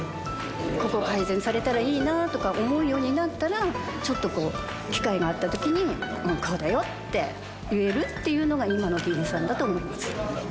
ここが改善されたらいいなとか思うようになったらちょっと機会があったときにこうだよって言えるっていうのが今の議員さんだと思います。